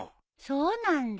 そうなんだ。